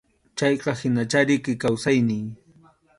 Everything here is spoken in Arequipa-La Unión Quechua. Chayqa hinachá riki kawsayniy.